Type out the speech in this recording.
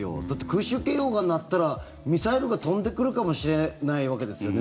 だって、空襲警報が鳴ったらミサイルが飛んでくるかもしれないんですよね。